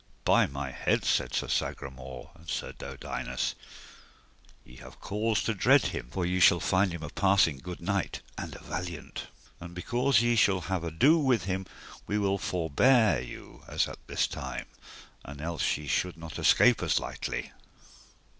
By my head, said Sir Sagramore and Sir Dodinas, ye have cause to dread him, for ye shall find him a passing good knight, and a valiant. And because ye shall have ado with him we will forbear you as at this time, and else ye should not escape us lightly.